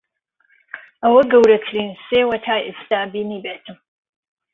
ئەوە گەورەترین سێوە تا ئێستا بینیبێتم.